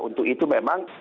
untuk itu memang